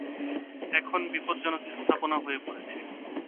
এখন বিপদজনক স্থাপনা হয়ে পড়েছে।